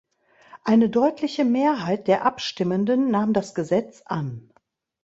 Eine deutliche Mehrheit der Abstimmenden nahm das Gesetz an.